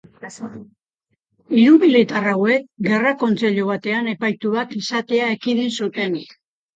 Hiru militar hauek gerra-kontseilu batean epaituak izatea ekidin zuten.